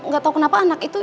gak tahu kenapa anak itu